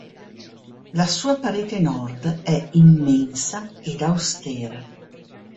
La sua parete nord è immensa ed austera.